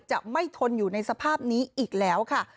จะไม่ทนอยู่ในสภาพนี้อีกแล้วค่ะ